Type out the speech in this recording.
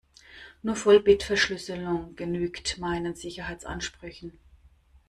Nur Vollbitverschlüsselung genügt meinen Sicherheitsansprüchen.